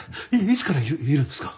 いつからいるんですか？